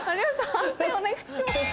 判定お願いします。